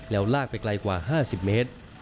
แล้วลากไปไกลกว่า๕๐เมตร